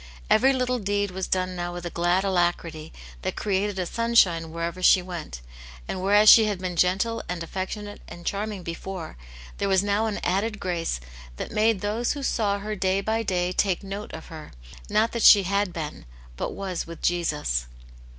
Every little deed was done now with a glad alacrity that created a sunshine wherever she went, and whereas she had been gentle and affectionate and charming before, there was now an added grace that made those who saw her day by day take note of her, not that she had been, but was with Jesus.